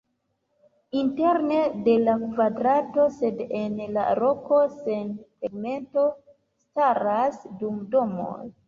Interne de la kvadrato, sed en la loko sen tegmento, staras du domoj.